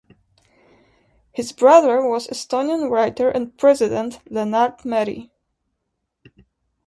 His brother was Estonian writer and president Lennart Meri.